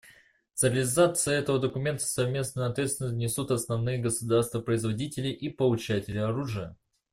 За реализацию этого документа совместную ответственность несут основные государства-производители и получатели оружия.